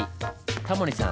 タモリさん